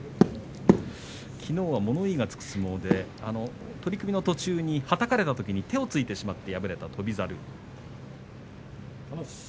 きのうは物言いがつく相撲で取組の途中にはたかれたときに手をついてしまって敗れた翔猿。